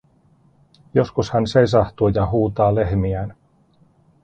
Joskus hän seisahtuu ja huutaa lehmiään.